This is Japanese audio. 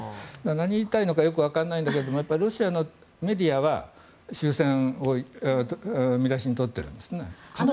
何が言いたいのかよくわからないんだけどロシアのメディアは終戦を見出しに取っているんですね。